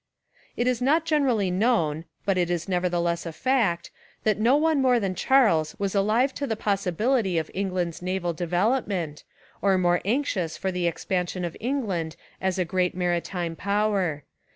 It is not generally known, but it is neverthe less a fact, that no one more than Charles was alive to the possibility of England's naval de velopment, or more anxious for the expansion of England as a great maritime power.